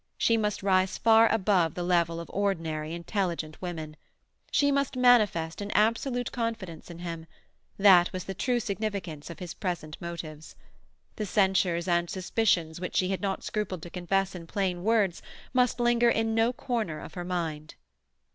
She must rise far above the level of ordinary intelligent women. She must manifest an absolute confidence in him—that was the true significance of his present motives. The censures and suspicions which she had not scrupled to confess in plain words must linger in no corner of her mind.